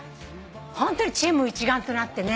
ホントにチーム一丸となってね。